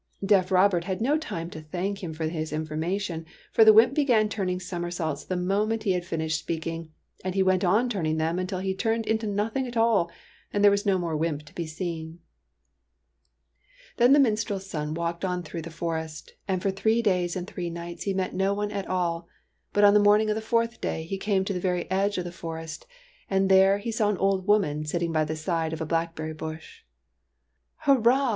Deaf Robert had no time to thank him for his information, for the wymp began turning TEARS OF PRINCESS PRUNELLA 121 somersaults the moment he had finished speak ing, and he went on turning them until he turned into nothing at all, and there was no more wymp to be seen. Then the minstrel's son walked on through the forest; and for three days and three nights he met no one at all, but on the morning of the fourth day he came to the very edge of the forest, and there he saw an old woman sitting by the side of a blackberry bush. " Hurrah